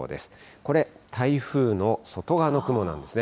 これ、台風の外側の雲なんですね。